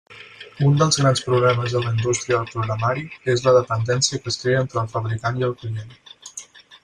Un dels grans problemes en la indústria del programari és la dependència que es crea entre el fabricant i el client.